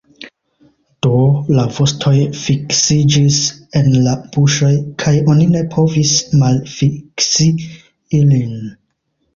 Do, la vostoj fiksiĝis en la buŝoj, kaj oni ne povis malfiksi ilin.